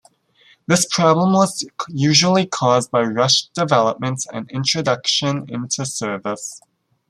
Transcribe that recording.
This problem was usually caused by rushed development and introduction into service.